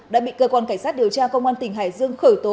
đã bị cơ quan cảnh sát điều tra công an tỉnh hải dương khởi tố